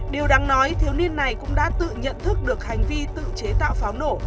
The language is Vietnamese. điều đáng nói thiếu niên này cũng đã tự nhận thức được hành vi tự chế tạo pháo nổ